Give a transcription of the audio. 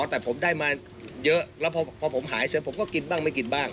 แต่ผมได้มาเยอะแล้วพอผมหายเสร็จผมก็กินบ้างไม่กินบ้าง